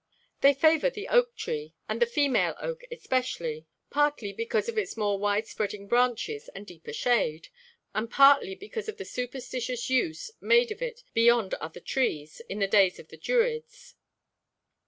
They favour the oak tree, and the female oak especially, partly because of its more wide spreading branches and deeper shade, partly because of the 'superstitious use made of it beyond other trees' in the days of the Druids.